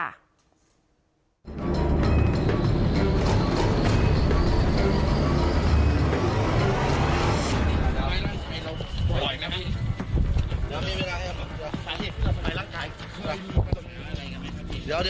เราได้วางแผนมาก่อนไหมครับพี่